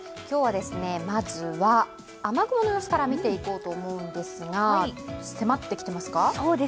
今日はまず、雨雲の様子から見ていこうと思うんですが迫ってきてますか？